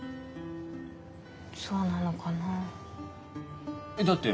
そうなのかな？